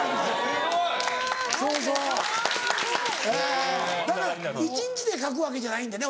すごい！ただ一日で書くわけじゃないんでね